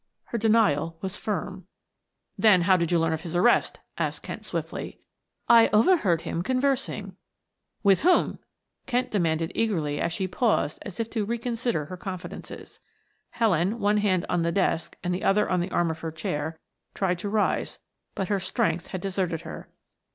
Her denial was firm. "Then how did you learn of his arrest?" asked Kent swiftly. "I overheard him conversing " "With whom?" Kent demanded eagerly as she paused as if to reconsider her confidences. Helen, one hand on the desk and the other on the arm of her chair, tried to rise, but her strength had deserted her.